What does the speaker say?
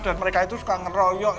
dan mereka itu suka ngeroyok